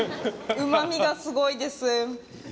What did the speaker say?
うまみがすごいです。